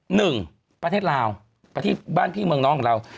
หนึ่งประเทศลาวประเทศบ้านพี่เมืองน้องของเรา